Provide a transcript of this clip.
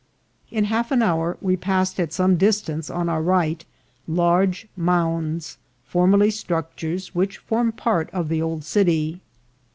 In half an hour we passed at some distance on our right large mounds, formerly structures which formed part of the old city.